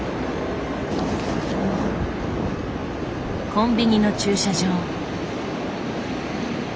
コンビニの駐車場。